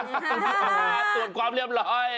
ตรวจความเรียบร้อย